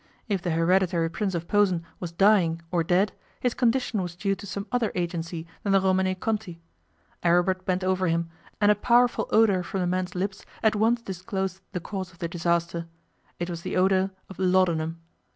If the Hereditary Prince of Posen was dying or dead, his condition was due to some other agency than the Romanée Conti. Aribert bent over him, and a powerful odour from the man's lips at once disclosed the cause of the disaster: it was the odour of laudanum.